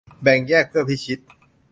แบ่งแยก เพื่อพิชิต